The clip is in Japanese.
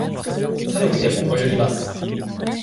寒くても、泳ぎます。